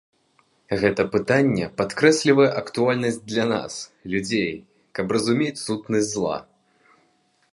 Гэта пытанне падкрэслівае актуальнасць для нас, людзей, каб разумець сутнасць зла.